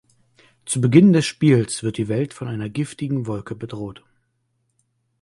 Zu Beginn des Spiels wird die Welt von einer giftigen Wolke bedroht.